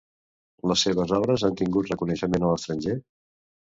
Les seves obres han tingut reconeixement a l'estranger?